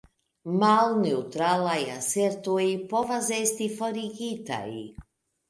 Malneŭtralaj asertoj povas esti forigitaj.